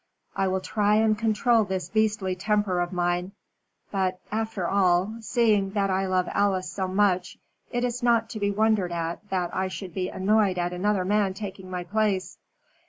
I will try and control this beastly temper of mine. But, after all, seeing that I love Alice so much, it is not to be wondered at that I should be annoyed at another man taking my place."